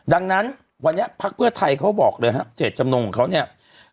ดังนั้นวันนี้พักเพื่อไทยเขาบอกเลยครับเจตจำนงของเขาเนี่ย